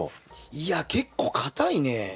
いや結構かたいね。